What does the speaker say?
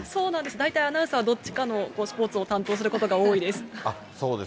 大体、アナウンサーはどっちかのスポーツを担当することが多いです。